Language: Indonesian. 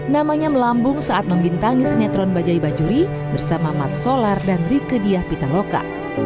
namanya melambung saat membintangi sinetron bajai bajuri bersama mat solar dan rike diah pitaloka